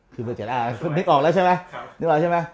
คือเบอร์๗นึกออกแล้วใช่ไหม